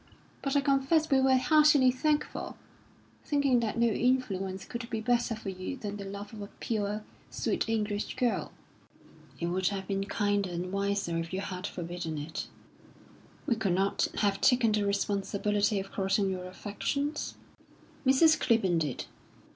But I confess we were heartily thankful, thinking that no influence could be better for you than the love of a pure, sweet English girl." "It would have been kinder and wiser if you had forbidden it." "We could not have taken the responsibility of crossing your affections." "Mrs. Clibborn did."